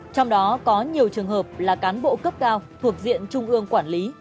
trong đó có nhiều trường hợp là cán bộ cấp cao thuộc diện trung ương quản lý